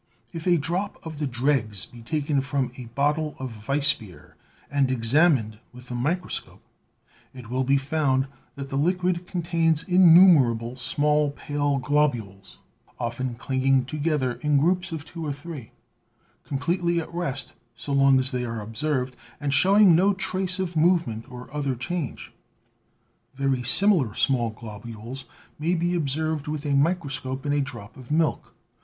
If a drop of the dregs be taken from a bottle of weissbeer and examined with the microscope, it will be found that the liquid contains in numerable small pale globules, often clinging together in groups of two or three, completely at rest so long as they are observed, and showing no trace of movement or other change. Very similar small globules may be observed with a microscope in a drop of milk.